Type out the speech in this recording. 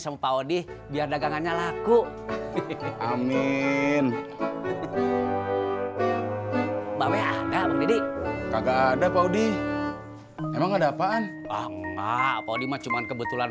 sama pak udi biar dagangannya laku amin mbak ada pak udi emang ada apaan pak udi cuma kebetulan